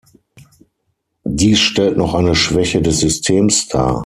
Dies stellt noch eine Schwäche des Systems dar.